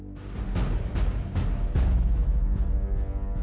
nggak ada yang nunggu